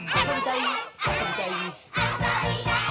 「あそびたい！